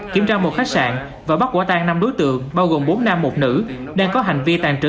kiểm tra một khách sạn và bắt quả tan năm đối tượng bao gồm bốn nam một nữ đang có hành vi tàn trữ